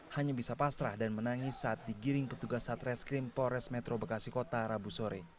hanya bisa pasrah dan menangis saat digiring petugas satreskrim pores metro bekasi kota rabu sore